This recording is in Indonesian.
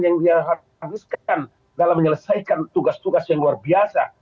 yang dia habiskan dalam menyelesaikan tugas tugas yang luar biasa